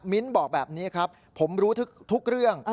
บอกแบบนี้ครับผมรู้ทุกเรื่อง